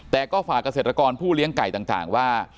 แต่ก็ฝากเกษตรกรผู้เลี้ยงไก่ต่างว่า